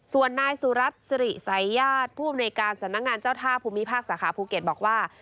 ส่วนนายสุรัตน์สิริสัยญาติผู้อำนวยการสำนักงานเจ้าท่าภูมิภาคสาขาภูเก็ตบอกว่า